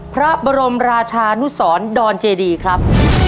พระบรมราชานุสรดอนเจดีครับ